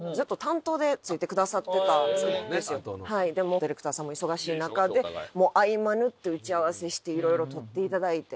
ディレクターさんも忙しい中で合間縫って打ち合わせしていろいろ撮っていただいて。